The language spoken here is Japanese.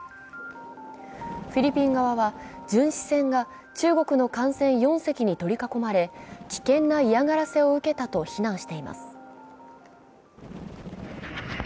フィリピン側は巡視船が中国の艦船４隻に取り囲まれ危険な嫌がらせを受けたと非難しています。